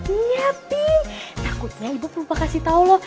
iya ping takutnya ibu perlu kasih tau lo